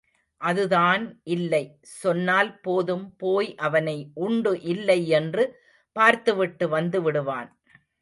அதுதான் இல்லை சொன்னால் போதும் போய் அவனை உண்டு இல்லை என்று பார்த்து விட்டு வந்து விடுவான்.